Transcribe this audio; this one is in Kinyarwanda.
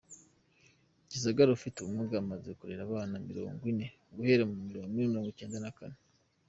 Gisagara Ufite ubumuga amaze kurera abana mirongwine guhera mu mirongwicyenda nakane